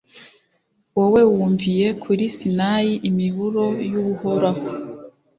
wowe wumviye kuri Sinayi imiburo y’Uhoraho,